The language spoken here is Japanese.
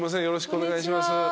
よろしくお願いします。